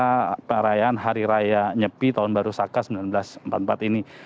pada perayaan hari raya nyepi tahun baru saka seribu sembilan ratus empat puluh empat ini